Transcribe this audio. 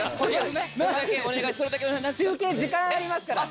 中継時間ありますから。